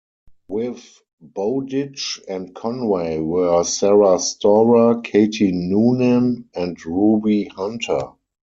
With Bowditch and Conway were Sara Storer, Katie Noonan and Ruby Hunter.